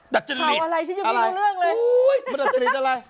แต่เจนี่อะไรอุ๊ยแต่เจนี่จะอะไรอะไร